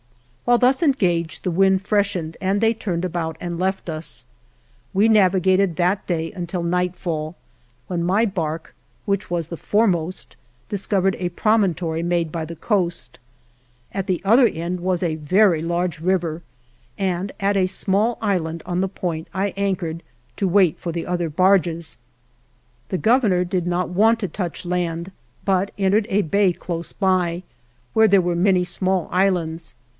While thus engaged the wind freshened and they turned about and left us. We navi gated that day until nightfall, when my bark, which was the foremost, discovered a promontory made by the coast. At the other 48 ALVAR NUNEZ CABEZA DE VACA end was a very large river, and at a small island on the point I anchored to wait for the other barges. The Governor did not want to touch, but entered a bay close by, where there were many small islands.